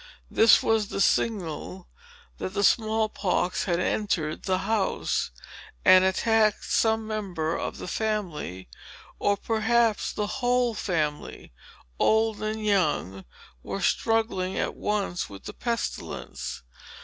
This was the signal that the small pox had entered the house, and attacked some member of the family; or perhaps the whole family, old and young, were struggling at once with the pestilence.